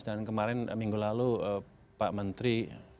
kemarin minggu lalu pak menteri